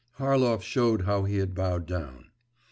(Harlov showed how he had bowed down.)